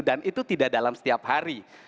dan itu tidak dalam setiap hari